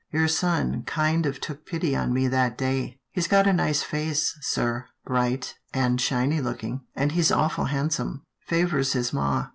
" Your son kind of took pity on me that day. He's got a nice face, sir, bright and shiny looking, and he's awful handsome — favours his ma.